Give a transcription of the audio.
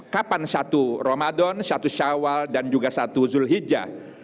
kapan satu ramadan satu syawal dan juga satu zulhijjah